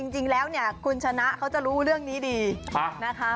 จริงแล้วเนี่ยคุณชนะเขาจะรู้เรื่องนี้ดีนะคะ